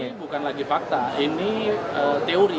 ini bukan lagi fakta ini teori